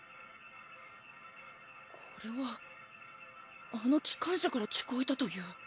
これはあの機関車から聞こえたという。